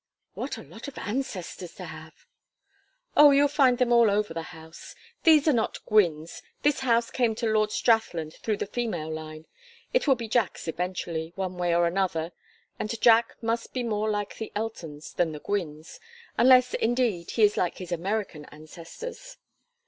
"What a lot of ancestors to have!" "Oh, you'll find them all over the house. These are not Gwynnes. This house came to Lord Strathland through the female line. It will be Jack's eventually one way or another; and Jack must be more like the Eltons than the Gwynnes unless, indeed, he is like his American ancestors."